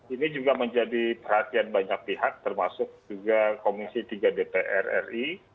ini juga menjadi perhatian banyak pihak termasuk juga komisi tiga dpr ri